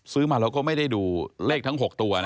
ซื้อมาแล้วก็ไม่ได้ดูเลขทั้ง๖ตัวนะ